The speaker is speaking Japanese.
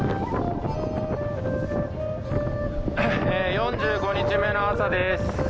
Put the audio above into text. ４５日目の朝です。